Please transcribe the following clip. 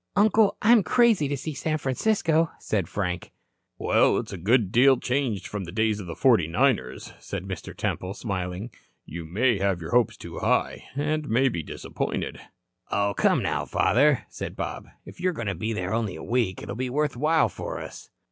"Uncle, I'm crazy to see San Francisco," said Frank. "Well, it's a good deal changed from the days of the Forty Niners," said Mr. Temple, smiling. "You may have your hopes too high, and may be disappointed." "Oh, come now, father," said Bob. "If you're going to be there only a week, it'll be worth while for us."